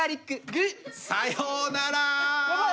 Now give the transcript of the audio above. グッ！さようなら！